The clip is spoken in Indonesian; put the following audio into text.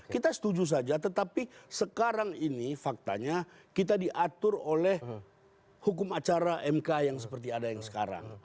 kita setuju saja tetapi sekarang ini faktanya kita diatur oleh hukum acara mk yang seperti ada yang sekarang